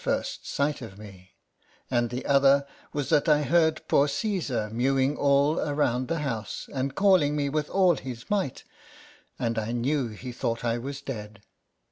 first sight of me ; and the other was that I heard poor Caesar mewing all around the house, and calling me with all his might ; and I knew he thought I was dead.